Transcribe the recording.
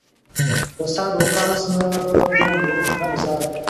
د سعد وقاص نه بوم و او نه زاد.